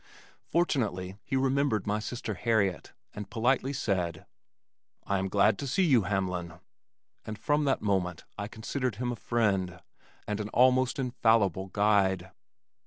Fortunately he remembered my sister Harriet, and politely said, "I am glad to see you, Hamlin," and from that moment I considered him a friend, and an almost infallible guide.